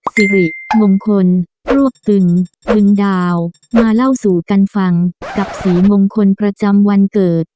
สิริมงคลรวบตึงตึงดาวมาเล่าสู่กันฟังกับสีมงคลประจำวันเกิด